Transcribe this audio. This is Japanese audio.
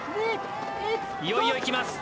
いよいよいきます。